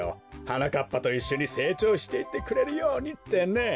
はなかっぱといっしょにせいちょうしていってくれるようにってね。